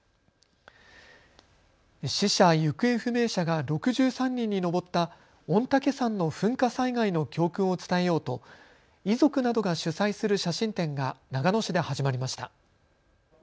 死者・行方不明者が６３人に上った御嶽山の噴火災害の教訓を伝えようと遺族などが主催する写真展が長野市で始まりました。